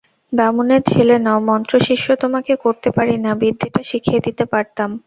বামুনের ছেলে নও, মন্ত্রশিষ্য তোমাকে করতে পারি না, বিদ্যেটা শিখিয়ে দিতে পারতাম।